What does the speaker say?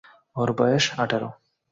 যাও গিয়ে সিগারেট নিয়ে এসো।